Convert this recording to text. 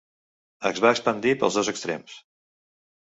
Es va expandir pels dos extrems.